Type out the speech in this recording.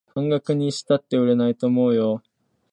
半額にしたって売れないと思うよ